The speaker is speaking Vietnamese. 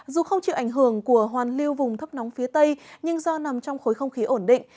dù không chịu ảnh hưởng của hoàn lưu vùng thấp nóng phía tây nhưng do nằm trong khối không khí ổn định